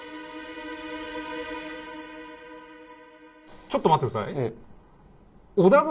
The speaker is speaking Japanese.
ちょっと待って下さい。